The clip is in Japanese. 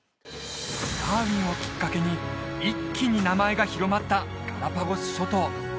ダーウィンをきっかけに一気に名前が広まったガラパゴス諸島